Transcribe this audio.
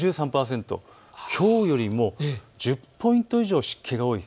きょうよりも１０ポイント以上湿気が多い。